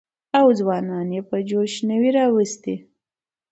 او ځوانان يې په جوش نه وى راوستي.